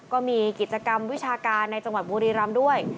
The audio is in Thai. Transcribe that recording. ก็มีกิจกรรมวิชาการในจังหวัดบุรีรำด้วย